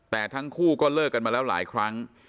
แต่ทั้งคู่ก็เลิกกันมาแล้วหลายครั้ง